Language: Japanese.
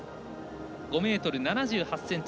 ５ｍ７８ｃｍ。